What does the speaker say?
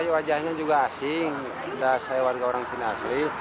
wajahnya juga asing tidak sehari hari orang sini asli